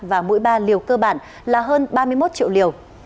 và mỗi ba liều cơ bản là hơn ba mươi một triệu liều